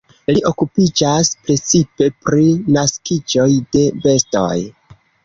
Li okupiĝas precipe pri naskiĝoj de bestoj.